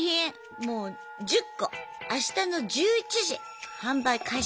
もう１０個あしたの１１時販売開始。